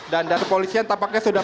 dan dari polisian tampaknya sudah